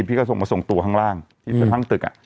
พี่ก็ส่งมาส่งตัวข้างล่างที่ข้างตึก